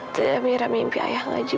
itu yang mira mimpi ayah ngaji